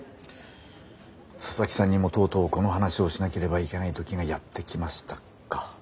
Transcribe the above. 佐々木さんにもとうとうこの話をしなければいけない時がやって来ましたか。